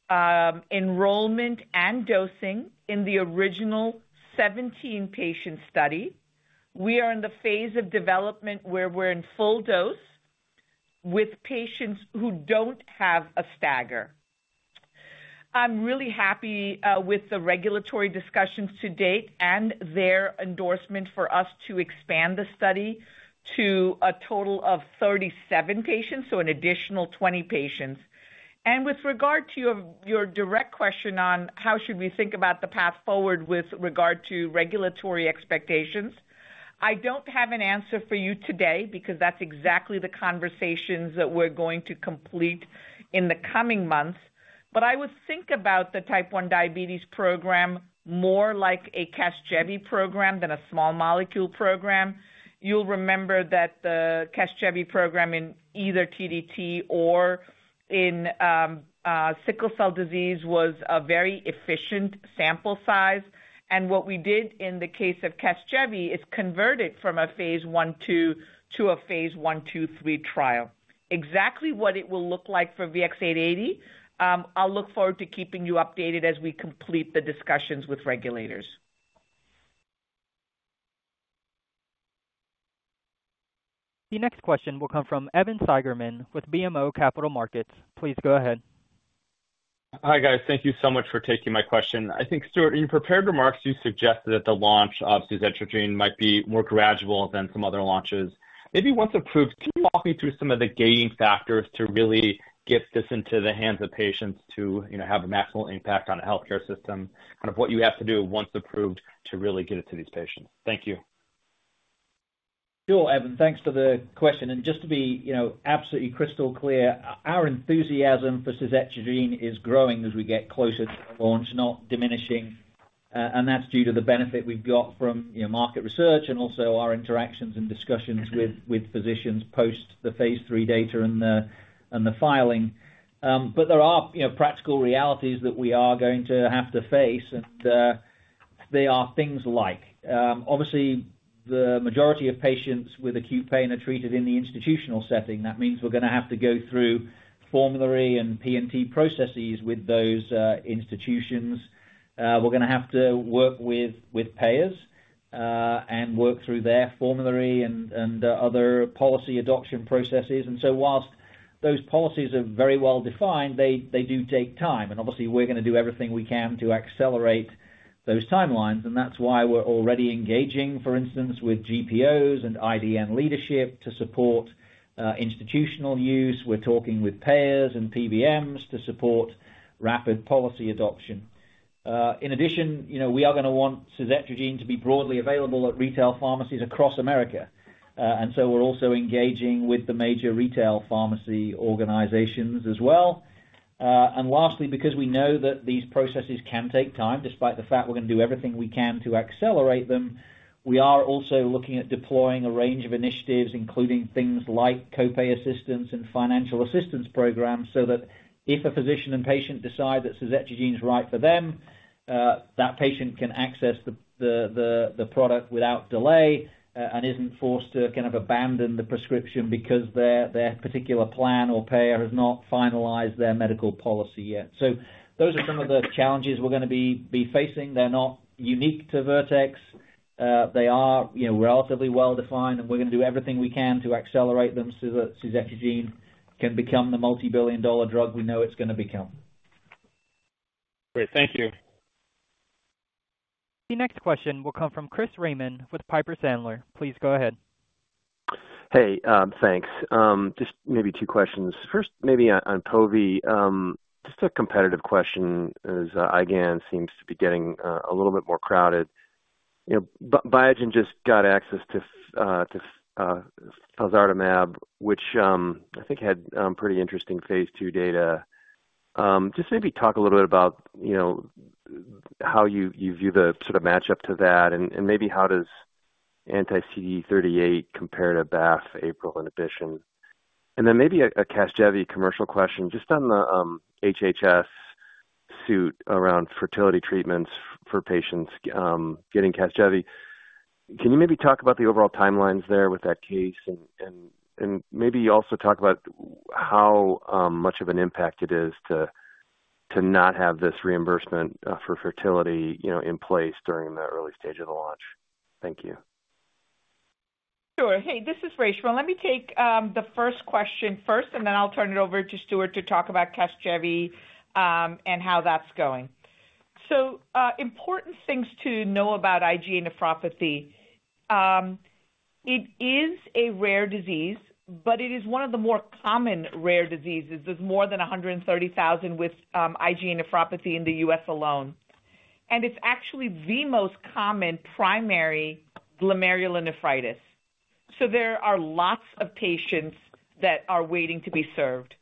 enrollment and dosing in the original 17-patient study. We are in the phase of development where we're in full dose with patients who don't have a stagger. I'm really happy with the regulatory discussions to date and their endorsement for us to expand the study to a total of 37 patients, so an additional 20 patients. And with regard to your direct question on how should we think about the path forward with regard to regulatory expectations, I don't have an answer for you today, because that's exactly the conversations that we're going to complete in the coming months. But I would think about the type one diabetes program more like a Casgevy program than a small molecule program. You'll remember that the Casgevy program in either TDT or in sickle cell disease was a very efficient sample size, and what we did in the case of Casgevy is convert it from a phase I to a phase I, II, III trial. Exactly what it will look like for VX-880, I'll look forward to keeping you updated as we complete the discussions with regulators. The next question will come from Evan Seigerman with BMO Capital Markets. Please go ahead. Hi, guys. Thank you so much for taking my question. I think, Stuart, in your prepared remarks, you suggested that the launch of suzetrigine might be more gradual than some other launches. Maybe once approved, can you walk me through some of the gating factors to really get this into the hands of patients to, you know, have a maximal impact on the healthcare system, kind of what you have to do once approved to really get it to these patients? Thank you. Sure, Evan. Thanks for the question, and just to be, you know, absolutely crystal clear, our enthusiasm for suzetrigine is growing as we get closer to launch, not diminishing, and that's due to the benefit we've got from, you know, market research and also our interactions and discussions with physicians post the phase III data and the filing. But there are, you know, practical realities that we are going to have to face, and they are things like, obviously, the majority of patients with acute pain are treated in the institutional setting. That means we're gonna have to go through formulary and PNT processes with those institutions. We're gonna have to work with payers, and work through their formulary and other policy adoption processes. And so whilst those policies are very well defined, they, they do take time, and obviously we're gonna do everything we can to accelerate those timelines. And that's why we're already engaging, for instance, with GPOs and IDN leadership to support institutional use. We're talking with payers and PBMs to support rapid policy adoption. In addition, you know, we are gonna want suzetrigine to be broadly available at retail pharmacies across America. And so we're also engaging with the major retail pharmacy organizations as well. And lastly, because we know that these processes can take time, despite the fact we're gonna do everything we can to accelerate them, we are also looking at deploying a range of initiatives, including things like co-pay assistance and financial assistance programs, so that if a physician and patient decide that suzetrigine is right for them, that patient can access the product without delay, and isn't forced to kind of abandon the prescription because their particular plan or payer has not finalized their medical policy yet. So those are some of the challenges we're gonna be facing. They're not unique to Vertex. They are, you know, relatively well defined, and we're gonna do everything we can to accelerate them so that suzetrigine can become the multi-billion dollar drug we know it's gonna become. Great. Thank you. ... The next question will come from Chris Raymond with Piper Sandler. Please go ahead. Hey, thanks. Just maybe two questions. First, maybe on povotacicept. Just a competitive question, as IgA seems to be getting a little bit more crowded. You know, Biogen just got access to felzartamab, which I think had pretty interesting phase II data. Just maybe talk a little bit about, you know, how you view the sort of match up to that, and maybe how does anti-CD38 compare to BAFF APRIL inhibition? And then maybe a Casgevy commercial question, just on the HHS suit around fertility treatments for patients getting Casgevy. Can you maybe talk about the overall timelines there with that case? Maybe also talk about how much of an impact it is to not have this reimbursement for fertility, you know, in place during the early stage of the launch. Thank you. Sure. Hey, this is Reshma. Let me take the first question first, and then I'll turn it over to Stuart to talk about Casgevy and how that's going. So, important things to know about IgA nephropathy. It is a rare disease, but it is one of the more common rare diseases. There's more than 130,000 with IgA nephropathy in the U.S. alone, and it's actually the most common primary glomerulonephritis. So there are lots of patients that are waiting to be served.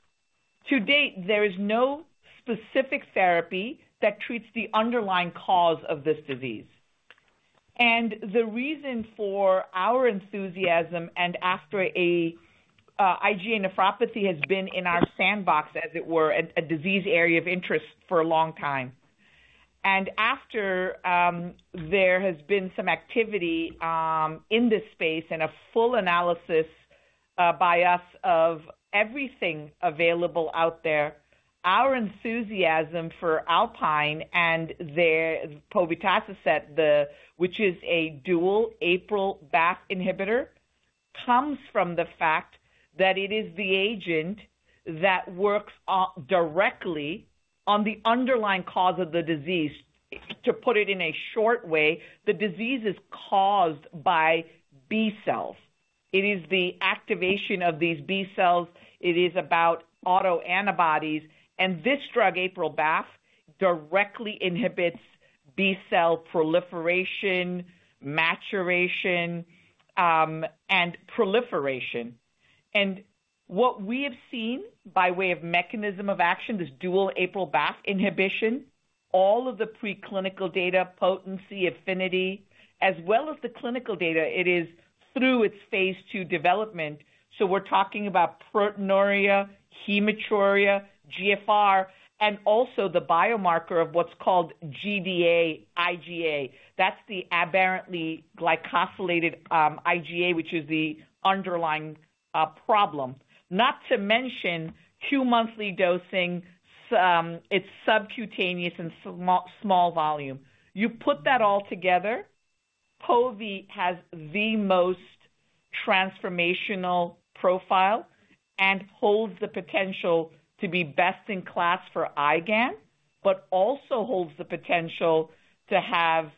To date, there is no specific therapy that treats the underlying cause of this disease. And the reason for our enthusiasm, IgA nephropathy has been in our sandbox, as it were, a disease area of interest for a long time. And after there has been some activity in this space and a full analysis by us of everything available out there, our enthusiasm for Alpine and their povotacicept, which is a dual APRIL BAFF inhibitor, comes from the fact that it is the agent that works on directly on the underlying cause of the disease. To put it in a short way, the disease is caused by B cells. It is the activation of these B cells. It is about autoantibodies, and this drug, APRIL BAFF, directly inhibits B cell proliferation, maturation, and proliferation. And what we have seen by way of mechanism of action, this dual APRIL BAFF inhibition, all of the preclinical data, potency, affinity, as well as the clinical data, it is through its phase II development. So we're talking about proteinuria, hematuria, GFR, and also the biomarker of what's called Gd-IgA. That's the aberrantly glycosylated IgA, which is the underlying problem. Not to mention, two monthly dosing. It's subcutaneous and small volume. You put that all together, Povi has the most transformational profile and holds the potential to be best in class for IgAN, but also holds the potential to have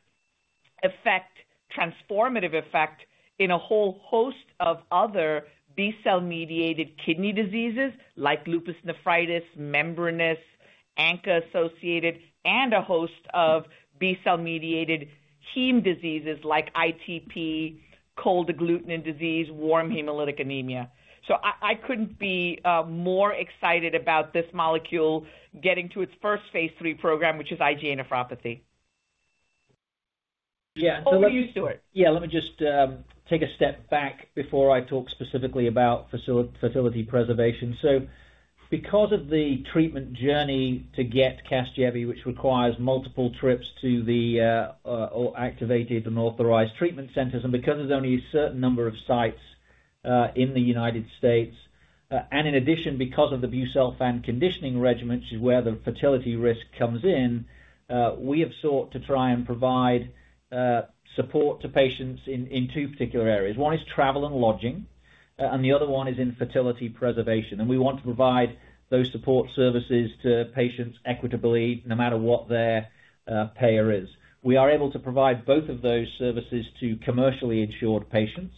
effect, transformative effect in a whole host of other B-cell-mediated kidney diseases like lupus nephritis, membranous, ANCA associated, and a host of B-cell-mediated heme diseases like ITP, cold agglutinin disease, warm hemolytic anemia. So I couldn't be more excited about this molecule getting to its first phase III program, which is IgA nephropathy. Yeah- Over to you, Stuart. Yeah, let me just take a step back before I talk specifically about fertility preservation. So because of the treatment journey to get Casgevy, which requires multiple trips to the accredited and authorized treatment centers, and because there's only a certain number of sites in the United States, and in addition, because of the busulfan conditioning regimen, which is where the fertility risk comes in, we have sought to try and provide support to patients in two particular areas. One is travel and lodging, and the other one is in fertility preservation. And we want to provide those support services to patients equitably, no matter what their payer is. We are able to provide both of those services to commercially insured patients,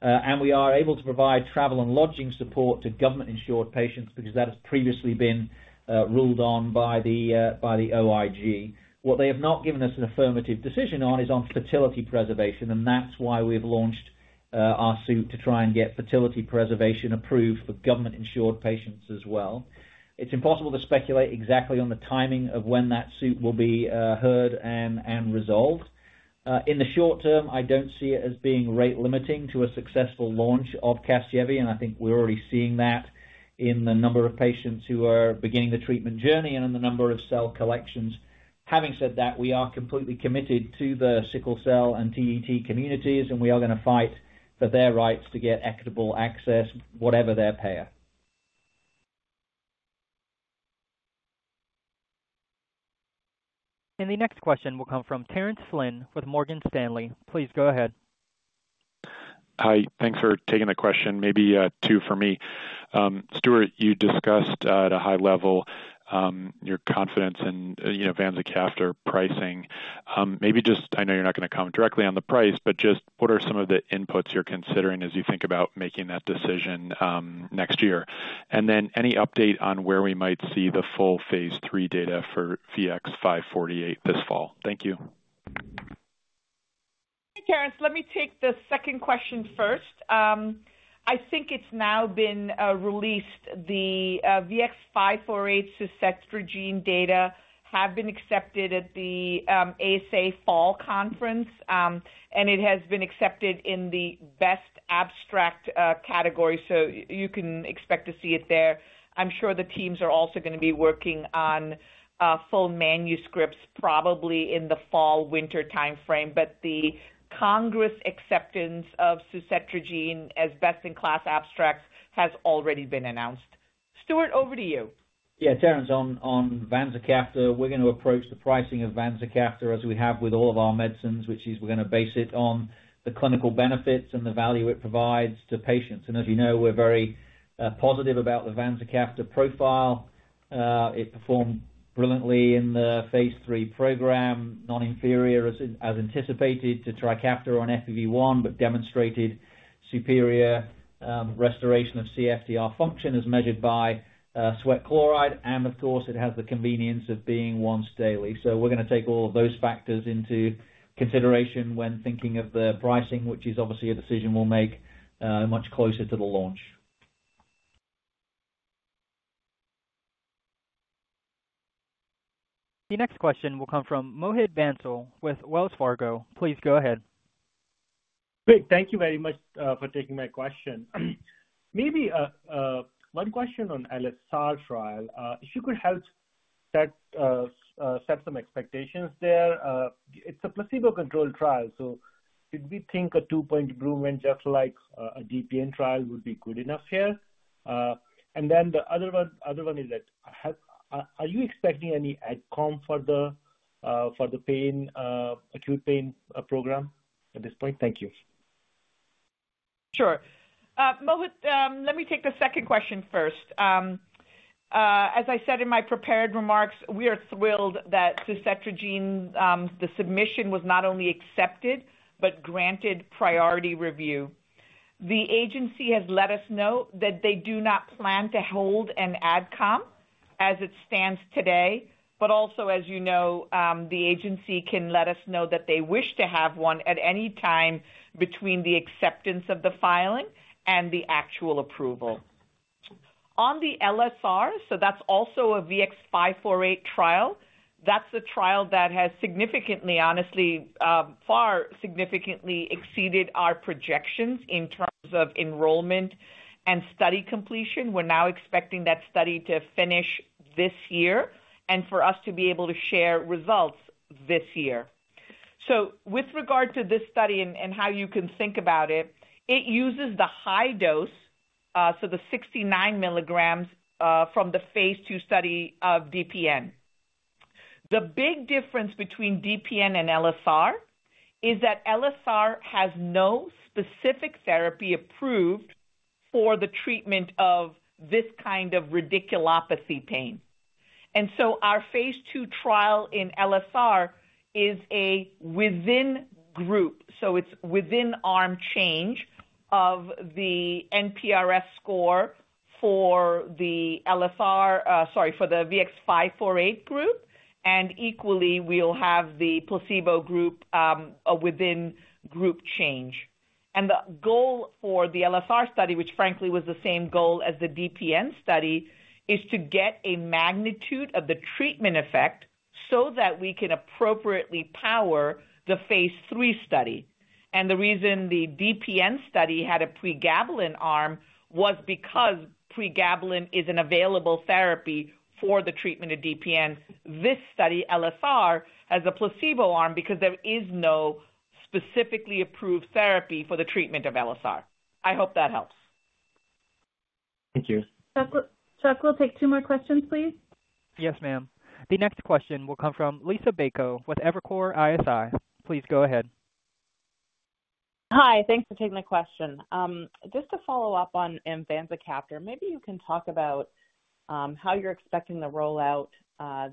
and we are able to provide travel and lodging support to government-insured patients because that has previously been ruled on by the OIG. What they have not given us an affirmative decision on is on fertility preservation, and that's why we've launched our suit to try and get fertility preservation approved for government-insured patients as well. It's impossible to speculate exactly on the timing of when that suit will be heard and resolved. In the short term, I don't see it as being rate limiting to a successful launch of Casgevy, and I think we're already seeing that in the number of patients who are beginning the treatment journey and in the number of cell collections. Having said that, we are completely committed to the sickle cell and TDT communities, and we are going to fight for their rights to get equitable access, whatever their payer. The next question will come from Terence Flynn with Morgan Stanley. Please go ahead. Hi, thanks for taking the question. Maybe two for me. Stuart, you discussed at a high level your confidence in, you know, vanzacaftor pricing. Maybe just... I know you're not going to comment directly on the price, but just what are some of the inputs you're considering as you think about making that decision next year? And then any update on where we might see the full phase III data for VX-548 this fall? Thank you. Terence, let me take the second question first. I think it's now been released. The VX-548 suzetrigine data have been accepted at the ASA Fall Conference, and it has been accepted in the best abstract category, so you can expect to see it there. I'm sure the teams are also going to be working on full manuscripts, probably in the fall, winter timeframe, but the Congress acceptance of suzetrigine as best-in-class abstracts has already been announced. Stuart, over to you. Yeah, Terence, on vanzacaftor, we're going to approach the pricing of vanzacaftor, as we have with all of our medicines, which is we're going to base it on the clinical benefits and the value it provides to patients. As you know, we're very positive about the vanzacaftor profile. It performed brilliantly in the phase III program, non-inferior as anticipated to Trikafta on FEV1, but demonstrated superior restoration of CFTR function as measured by sweat chloride, and of course, it has the convenience of being once daily. So we're going to take all of those factors into consideration when thinking of the pricing, which is obviously a decision we'll make much closer to the launch. The next question will come from Mohit Bansal with Wells Fargo. Please go ahead. Great. Thank you very much for taking my question. Maybe one question on LSR trial. If you could help set some expectations there. It's a placebo-controlled trial, so should we think a 2-point improvement, just like a DPN trial, would be good enough here? And then the other one is that, are you expecting any AdCom for the pain, acute pain, program at this point? Thank you. Sure. Mohit, let me take the second question first. As I said in my prepared remarks, we are thrilled that suzetrigine, the submission was not only accepted but granted priority review. The agency has let us know that they do not plan to hold an AdCom as it stands today, but also, as you know, the agency can let us know that they wish to have one at any time between the acceptance of the filing and the actual approval. On the LSR, so that's also a VX-548 trial. That's a trial that has significantly, honestly, far significantly exceeded our projections in terms of enrollment and study completion. We're now expecting that study to finish this year and for us to be able to share results this year. So with regard to this study and how you can think about it, it uses the high dose, so the 69 milligrams from the phase II study of DPN. The big difference between DPN and LSR is that LSR has no specific therapy approved for the treatment of this kind of radiculopathy pain. And so our phase II trial in LSR is a within group, so it's within arm change of the NPRS score for the LSR, for the VX-548 group, and equally, we'll have the placebo group, within group change. And the goal for the LSR study, which frankly was the same goal as the DPN study, is to get a magnitude of the treatment effect so that we can appropriately power the phase III study. The reason the DPN study had a pregabalin arm was because pregabalin is an available therapy for the treatment of DPN. This study, LSR, has a placebo arm because there is no specifically approved therapy for the treatment of LSR. I hope that helps. Thank you. Chuck, Chuck, we'll take 2 more questions, please. Yes, ma'am. The next question will come from Liisa Bayko with Evercore ISI. Please go ahead. Hi, thanks for taking my question. Just to follow up on vanzacaftor, maybe you can talk about how you're expecting the rollout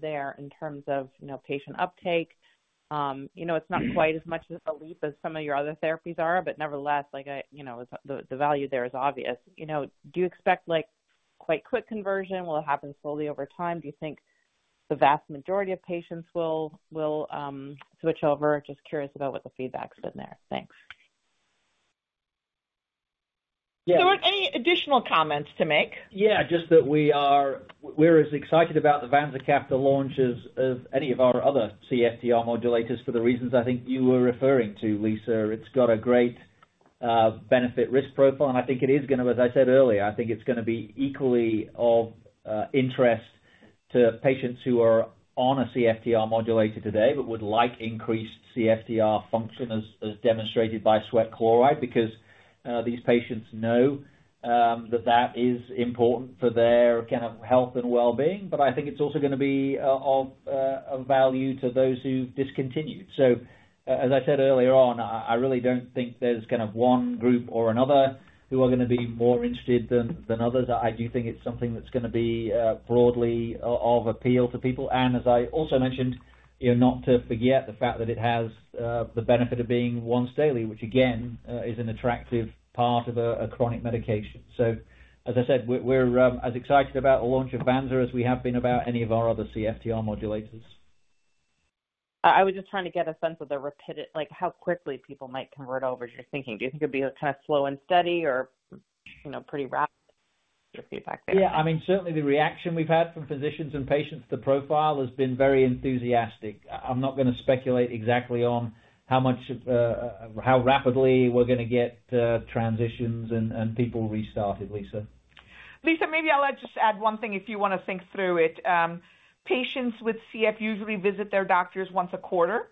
there in terms of, you know, patient uptake. You know, it's not quite as much as a leap as some of your other therapies are, but nevertheless, like, I, you know, the value there is obvious. You know, do you expect, like, quite quick conversion? Will it happen slowly over time? Do you think the vast majority of patients will switch over? Just curious about what the feedback's been there. Thanks. Yeah- Stuart, any additional comments to make? Yeah, just that we are, we're as excited about the vanzacaftor launch as any of our other CFTR modulators for the reasons I think you were referring to, Liisa. It's got a great benefit-risk profile, and I think it is going to, as I said earlier, I think it's going to be equally of interest to patients who are on a CFTR modulator today, but would like increased CFTR function as demonstrated by sweat chloride, because these patients know that that is important for their kind of health and well-being. But I think it's also going to be of value to those who've discontinued. So, as I said earlier on, I really don't think there's kind of one group or another who are going to be more interested than others. I do think it's something that's going to be broadly of appeal to people. And as I also mentioned, you know, not to forget the fact that it has the benefit of being once daily, which again is an attractive part of a chronic medication. So, as I said, we're as excited about the launch of Vanza as we have been about any of our other CFTR modulators. I was just trying to get a sense of the like, how quickly people might convert over, as you're thinking. Do you think it'd be kind of slow and steady or, you know, pretty rapid? Your feedback there. Yeah, I mean, certainly the reaction we've had from physicians and patients. The profile has been very enthusiastic. I'm not going to speculate exactly on how much, how rapidly we're going to get transitions and people restarted, Liisa. Liisa, maybe I'll just add one thing if you want to think through it. Patients with CF usually visit their doctors once a quarter.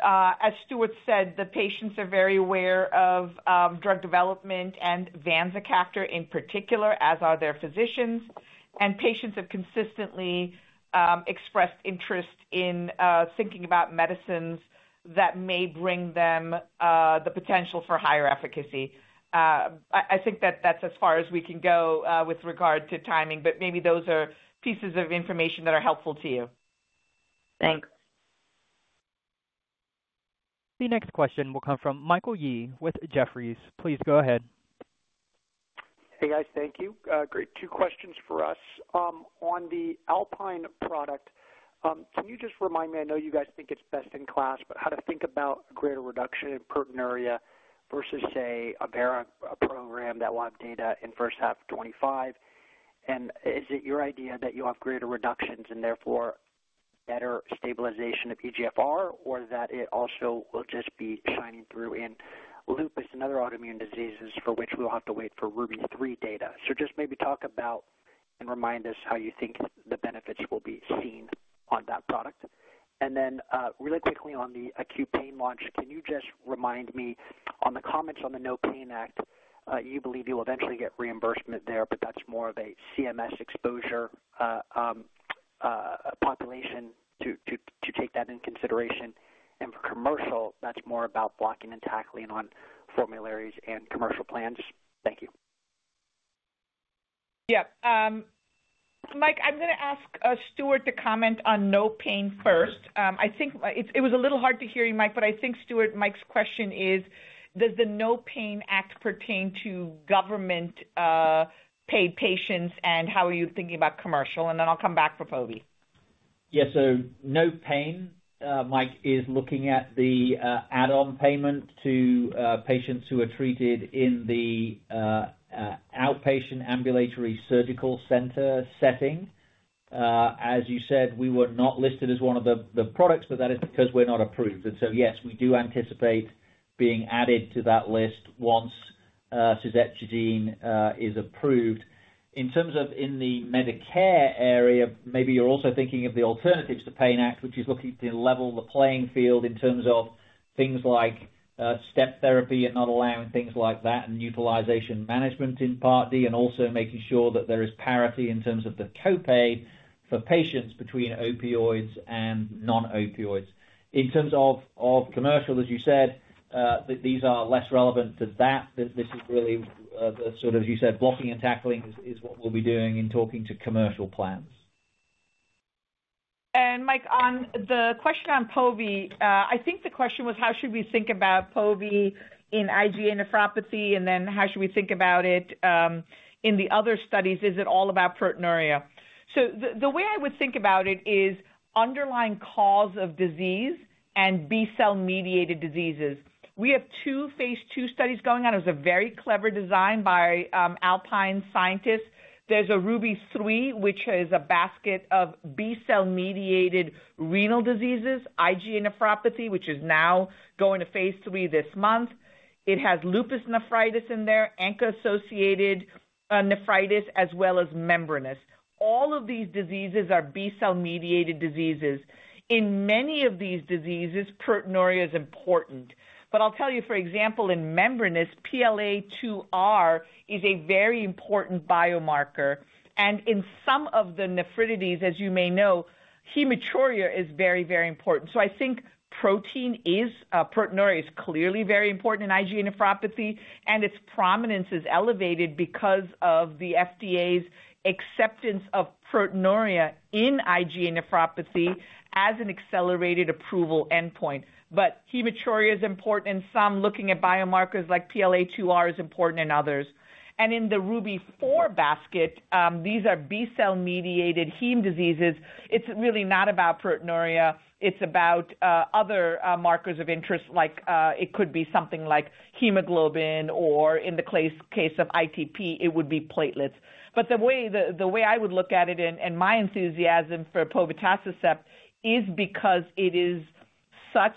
As Stuart said, the patients are very aware of drug development and vanzacaftor in particular, as are their physicians. And patients have consistently expressed interest in thinking about medicines that may bring them the potential for higher efficacy. I think that's as far as we can go with regard to timing, but maybe those are pieces of information that are helpful to you. Thanks. The next question will come from Michael Yee with Jefferies. Please go ahead. Hey, guys. Thank you. Great. Two questions for us. On the Alpine product, can you just remind me, I know you guys think it's best in class, but how to think about greater reduction in proteinuria versus, say, Vera, a program that will have data in first half of 2025? And is it your idea that you'll have greater reductions and therefore better stabilization of eGFR, or that it also will just be shining through in lupus and other autoimmune diseases for which we'll have to wait for RUBY-3 data? So just maybe talk about and remind us how you think the benefits will be seen on that product. And then, really quickly on the acute pain launch, can you just remind me on the comments on the NOPAIN Act, you believe you'll eventually get reimbursement there, but that's more of a CMS exposure, population to take that into consideration. And for commercial, that's more about blocking and tackling on formularies and commercial plans. Thank you. Yeah, Mike, I'm going to ask Stuart to comment on NOPAIN first. I think it was a little hard to hear you, Mike, but I think, Stuart, Mike's question is, does the NOPAIN Act pertain to government paid patients, and how are you thinking about commercial? And then I'll come back for Povi. Yes. So NOPAIN Act, Mike, is looking at the add-on payment to patients who are treated in the outpatient ambulatory surgical center setting. As you said, we were not listed as one of the, the products, but that is because we're not approved. And so, yes, we do anticipate being added to that list once suzetrigine is approved. In terms of in the Medicare area, maybe you're also thinking of the Alternatives to Opioids Act, which is looking to level the playing field in terms of things like step therapy and not allowing things like that, and utilization management in Part D, and also making sure that there is parity in terms of the copay for patients between opioids and non-opioids. In terms of commercial, as you said, these are less relevant to that. This is really sort of, as you said, blocking and tackling is what we'll be doing in talking to commercial plans. And Mike, on the question on povotacicept, I think the question was: how should we think about povotacicept in IgA nephropathy, and then how should we think about it, in the other studies? Is it all about proteinuria? So the way I would think about it is underlying cause of disease and B-cell-mediated diseases. We have two phase II studies going on. It's a very clever design by, Alpine scientists. There's a RUBY-3, which is a basket of B-cell-mediated renal diseases, IgA nephropathy, which is now going to phase III this month. It has lupus nephritis in there, ANCA-associated, nephritis, as well as membranous. All of these diseases are B-cell-mediated diseases. In many of these diseases, proteinuria is important. But I'll tell you, for example, in membranous, PL2R is a very important biomarker, and in some of the nephritides, as you may know, hematuria is very, very important. So I think protein is, proteinuria is clearly very important in IgA nephropathy, and its prominence is elevated because of the FDA's acceptance of proteinuria in IgA nephropathy as an accelerated approval endpoint. But hematuria is important, and some looking at biomarkers like PLA2R is important in others. And in the RUBY-4 basket, these are B-cell-mediated immune diseases. It's really not about proteinuria, it's about, other, markers of interest, like, it could be something like hemoglobin or in the case of ITP, it would be platelets. By the way I would look at it, and my enthusiasm for povotacicept is because it's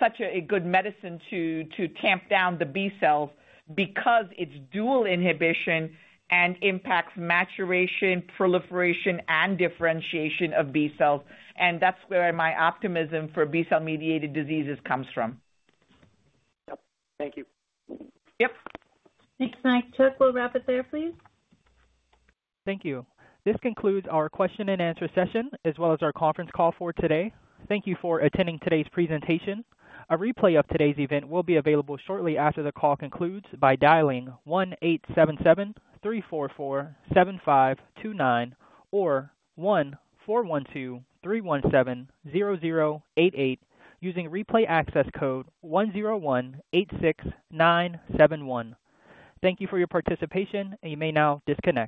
such a good medicine to tamp down the B-cells because it's dual inhibition and impacts maturation, proliferation, and differentiation of B-cells, and that's where my optimism for B-cell-mediated diseases comes from. Yep. Thank you. Yep. Thanks, Mike. Chuck, we'll wrap it there, please. Thank you. This concludes our question and answer session, as well as our conference call for today. Thank you for attending today's presentation. A replay of today's event will be available shortly after the call concludes by dialing one eight seven seven three four four seven five two nine or one four one two three one seven zero zero eight eight, using replay access code one zero one eight six nine seven one. Thank you for your participation, and you may now disconnect.